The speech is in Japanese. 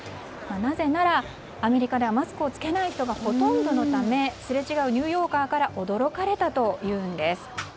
なぜなら、アメリカではマスクを着けない人がほとんどのためすれ違うニューヨーカーから驚かれたというんです。